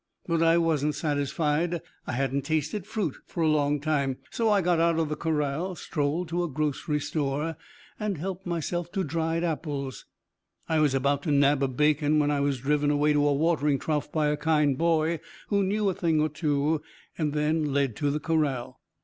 But I wasn't satisfied. I hadn't tasted fruit for a long time. So I got out of the corral, strolled to a grocery store, and helped myself to dried apples; I was about to nab a bacon when I was driven away to a watering trough by a kind boy who knew a thing or two, and then led to the corral.